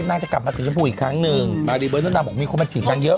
นางจะกลับมาสีชมพูอีกครั้งหนึ่งมารีเบอร์นั้นนางบอกมีคนมาจีบนางเยอะ